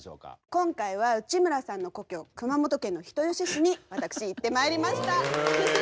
今回は内村さんの故郷熊本県の人吉市に私行ってまいりました。